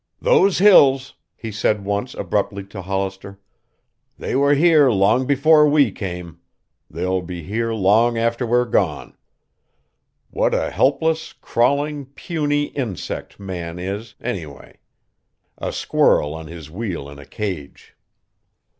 "Those hills," he said once abruptly to Hollister, "they were here long before we came. They'll be here long after we're gone. What a helpless, crawling, puny insect man is, anyway. A squirrel on his wheel in a cage."